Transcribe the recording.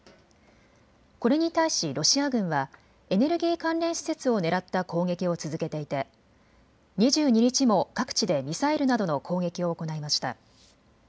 これに対しロシア軍はエネルギー関連施設を狙った攻撃を続けていて２２日も各地でミサイルなどの攻撃を行いました。